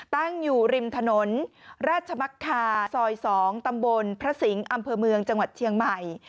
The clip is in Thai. ตั้งอยู่ริมถนนราชมักคาซอย๒ตำบลพระสิงห์อำเภอเมืองจังหวัดเชียงใหม่